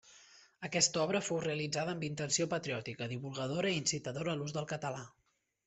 Aquesta obra fou realitzada amb intenció patriòtica, divulgadora i incitadora a l'ús del català.